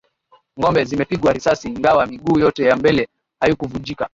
Ng'ombe zimepigwa risasi ingawa miguu yote ya mbele haikuvunjika.